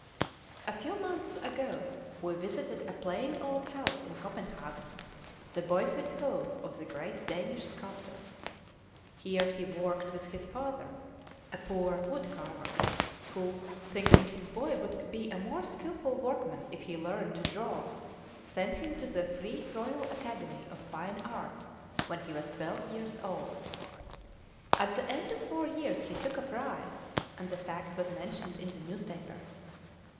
A few months ago we visited a plain old house in Copenhagen, the boyhood home of the great Danish sculptor. Here he worked with his father, a poor wood carver, who, thinking his boy would be a more skilful workman if he learned to draw, sent him to the Free Royal Academy of Fine Arts when he was twelve years old. At the end of four years he took a prize, and the fact was mentioned in the newspapers.